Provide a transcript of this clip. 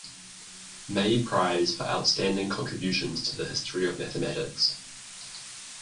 May Prize for outstanding contributions to the history of mathematics.